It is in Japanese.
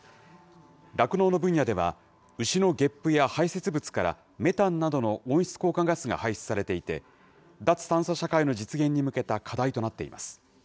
酪農の分野では、牛のげっぷや排せつ物からメタンなどの温室効果ガスが排出されていて、脱炭素社会の実現に向けた課題となっています。